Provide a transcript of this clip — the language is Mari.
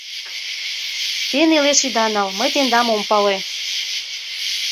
Те нелеш ида нал, мый тендам ом пале.